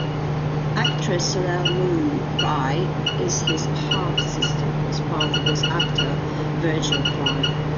Actress Soleil Moon Frye is his half-sister; his father was actor Virgil Frye.